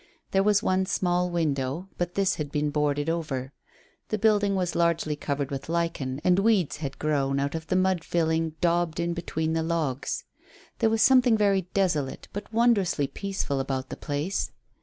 There was one small window, but this had been boarded over. The building was largely covered with lichen, and weeds had grown out of the mud filling daubed in between the logs. There was something very desolate but wondrously peaceful about the place.